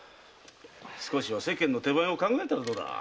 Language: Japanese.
少しは世間の手前も考えたらどうだ？